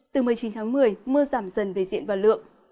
từ một mươi chín tháng một mươi mưa giảm dần về diện và lượng